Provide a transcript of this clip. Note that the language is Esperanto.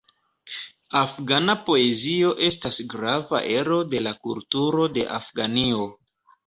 Afgana poezio estas grava ero de la kulturo de Afganio.